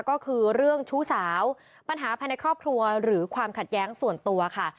ก็คือเรื่องชู้สาวปัญหาภายในครอบครัวหรือความขัดแย้งส่วนตัวค่ะ